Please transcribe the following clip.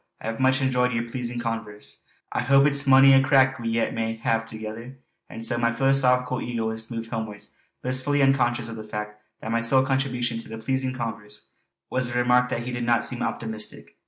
I hae much enjoyed yer pleasin' converse. I hope it's mony a crack we yet may hae thegither!" And so my philosophical egoist moved homewards, blissfully unconscious of the fact that my sole contribution to the "pleasing converse" was the remark that he did not seem optimistic.